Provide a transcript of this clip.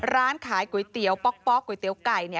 ร้านขายก๋วยเตี๋ยวป๊อกก๋วยเตี๋ยวไก่